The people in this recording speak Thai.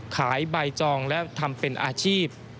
ขายใบจองและทำเป็นอาชีพ